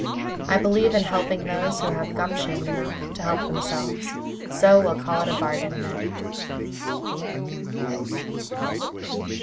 I believe in helping those who have 'gumption' enough to help themselves, so we'll call it a bargain, Ned."